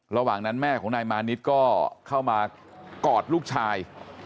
ระหว่างนั้นแม่ของนายมานิดก็เข้ามากอดลูกชาย